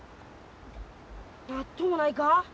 なっともないか？